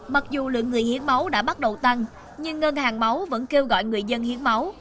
mặc dù lượng người hiến máu đã bắt đầu tăng nhưng ngân hàng máu vẫn kêu gọi người dân hiến máu